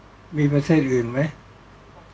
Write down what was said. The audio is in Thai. ก็ต้องทำอย่างที่บอกว่าช่องคุณวิชากำลังทำอยู่นั่นนะครับ